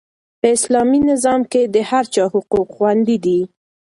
په اسلامي نظام کې د هر چا حقوق خوندي دي.